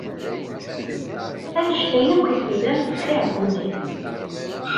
Annect-a akk i tellamt d tiɛeggunin?